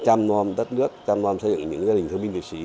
trăm non đất nước trăm non xây dựng những gia đình thương minh việt sĩ